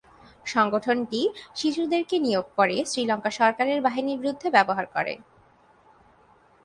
সংগঠনটি শিশুদেরকে নিয়োগ করে শ্রীলঙ্কা সরকারের বাহিনীর বিরুদ্ধে ব্যবহার করে।